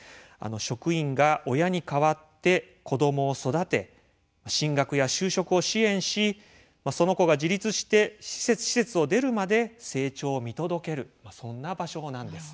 職員が親に代わって子どもを育て進学や就職を支援しその子が自立して施設を出るまで成長を見届けるそんな場所なんです。